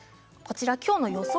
今日の予想